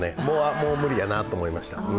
もう、無理やなと思いました。